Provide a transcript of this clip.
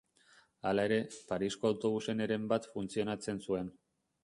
Hala ere, Parisko autobusen heren bat funtzionatzen zuen.